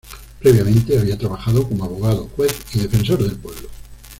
Previamente había trabajado como abogado, juez y defensor del pueblo.